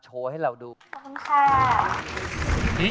โปรดติดตามต่อไป